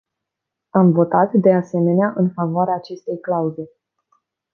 Am votat, de asemenea, în favoarea acestei clauze.